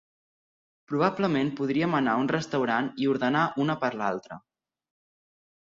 Probablement podríem anar a un restaurant i ordenar una per l'altra.